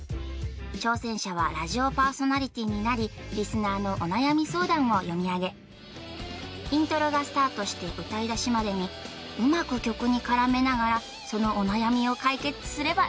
挑戦者はラジオパーソナリティーになりリスナーのお悩み相談を読み上げイントロがスタートして歌いだしまでにうまく曲に絡めながらそのお悩みを解決すれば成功